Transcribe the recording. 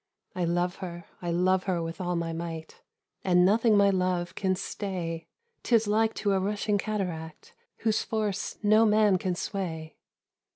"I love her, I love her with all my might, And nothing my love can stay, 'Tis like to a rushing cataract, Whose force no man can sway.